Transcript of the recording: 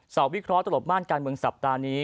วิเคราะห์ตลบม่านการเมืองสัปดาห์นี้